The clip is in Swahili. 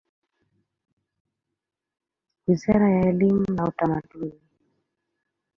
Wizara ya elimu na Utamaduni.